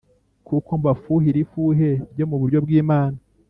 kuko mbafuhira ifuhe ryo mu buryo bw Imana